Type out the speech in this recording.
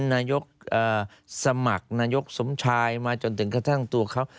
นายกสมัครนายกสมชายมาจนถึงกระทั่งตัวเขา